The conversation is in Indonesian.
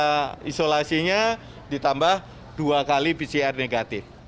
kita isolasinya ditambah dua kali pcr negatif